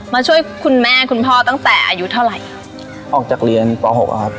มาช่วยคุณแม่คุณพ่อตั้งแต่อายุเท่าไหร่ออกจากเรียนป๖อะครับ